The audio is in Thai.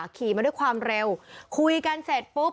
ขี่มาด้วยความเร็วคุยกันเสร็จปุ๊บ